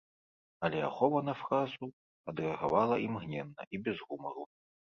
Але ахова на фразу адрэагавала імгненна і без гумару.